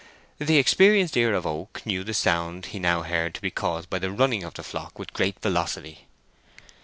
The experienced ear of Oak knew the sound he now heard to be caused by the running of the flock with great velocity.